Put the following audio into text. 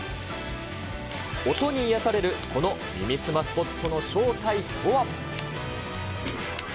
音に癒やされるこの耳すまスポットの正体とは。